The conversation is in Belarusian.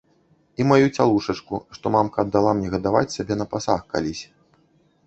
І маю цялушачку, што мамка аддала мне гадаваць сабе на пасаг калісь.